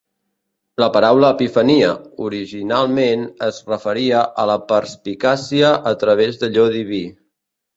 La paraula epifania originalment es referia a la perspicàcia a travès d'allò diví.